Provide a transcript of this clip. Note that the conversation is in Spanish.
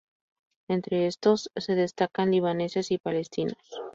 Entre estos se destacan libaneses y palestinos.